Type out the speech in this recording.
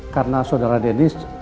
karena saudara dennis